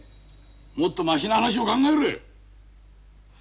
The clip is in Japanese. もっとましな話を考えろよ！